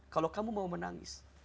kalau kamu mau menangis